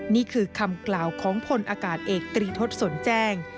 นี่คือคำกล่าวของพลอากาศเอกตรีทศสนแจ้ง